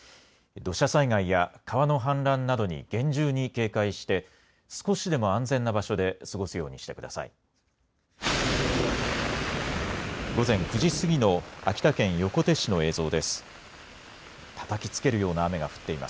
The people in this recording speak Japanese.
土砂災害や川の氾濫などに厳重に警戒して少しでも安全な場所で過ごすようにしてください。